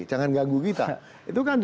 jangan ganggu kita